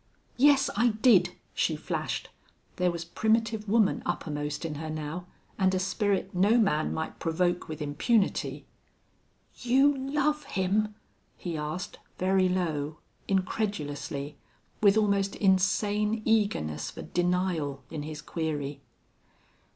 "Yes, I did," she flashed. There was primitive woman uppermost in her now, and a spirit no man might provoke with impunity. "You love him?" he asked, very low, incredulously, with almost insane eagerness for denial in his query.